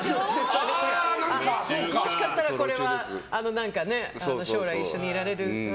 もしかしたらこれは将来一緒にいられるって。